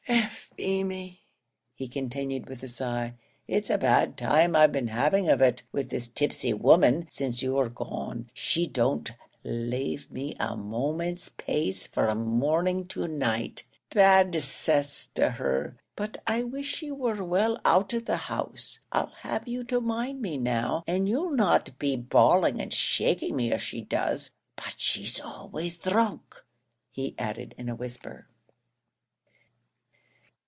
Eh, Feemy?" he continued, with a sigh, "it's a bad time I've been having of it with this tipsy woman since you were gone; she don't lave me a moment's pace from morning to night; bad 'cess to her, but I wish she wor well out of the house. I'll have you to mind me now and you'll not be bawling and shaking me as she does; but she's always dhrunk," he added in a whisper.